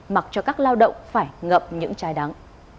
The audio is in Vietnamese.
mặc cho các lao động phải ngậm những trái đắng